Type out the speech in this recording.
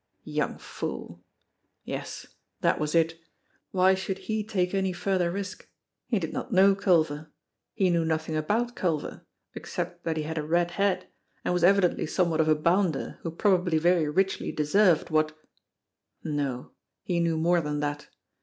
Young fool ! Yes, that was it ! Why should he take any further risk? He did not know Culver. He knew nothing about Culver except that he had a red head, and was evi dently somewhat of a bounder who probably very richly deserved what No ; he knew more than that.